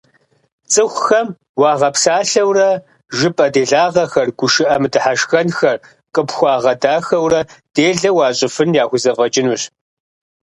Цӏыхухэм уагъэпсалъэурэ, жыпӏэ делагъэхэр, гушыӏэ мыдыхьэшхэнхэр къыпхуагъэдахэурэ делэ уащӏыфын яхузэфӏэкӏынущ.